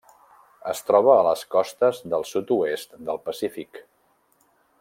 Es troba a les costes del sud-oest del Pacífic: